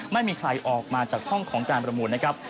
ไม่มีใครออกมาจากห้องของการประมูลนะครับ